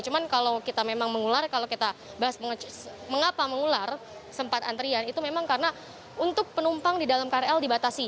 cuman kalau kita memang mengular kalau kita bahas mengapa mengular sempat antrian itu memang karena untuk penumpang di dalam krl dibatasi